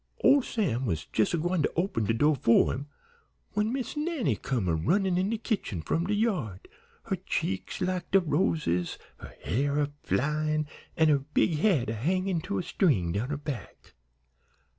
Ole Sam was jes' a gwine to open de do' for him when Miss Nannie come a runnin' in de kitchen from de yard, her cheeks like de roses, her hair a flyin', an' her big hat hangin' to a string down her back.